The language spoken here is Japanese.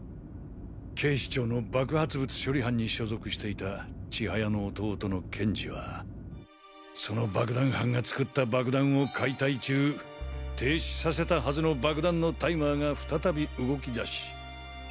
警視庁の爆発物処理班に所属していた千速の弟の研二はその爆弾犯が作った爆弾を解体中停止させたハズの爆弾のタイマーが再び動き出し。